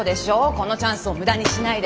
このチャンスを無駄にしないで。